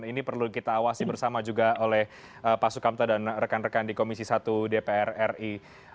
ini perlu kita awasi bersama juga oleh pak sukamta dan rekan rekan di komisi satu dpr ri